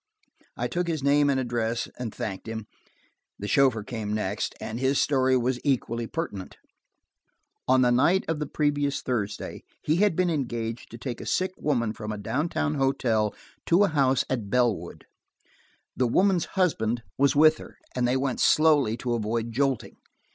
I took his name and address and thanked him The chauffeur came next, and his story was equally pertinent. On the night of the previous Thursday he had been engaged to take a sick woman from a downtown hotel to a house at Bellwood. The woman's husband was with her, and they went slowly to avoid jolting.